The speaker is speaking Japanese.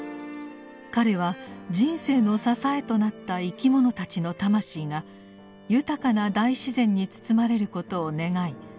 彼は人生の支えとなった生き物たちの魂が豊かな大自然に包まれることを願い